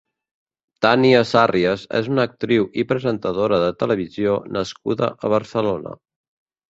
Tània Sàrrias és una actriu i presentadora de televisió nascuda a Barcelona.